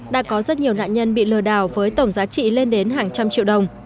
đã có rất nhiều nạn nhân bị lừa đảo với tổng giá trị lên đến hàng trăm triệu đồng